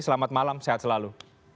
selamat malam sehat selalu